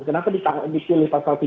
kenapa ditangani pilih pasal tiga puluh tiga